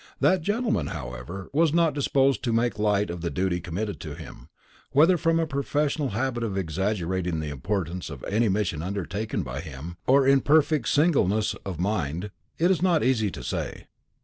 That gentleman, however, was not disposed to make light of the duty committed to him; whether from a professional habit of exaggerating the importance of any mission undertaken by him, or in perfect singleness of mind, it is not easy to say.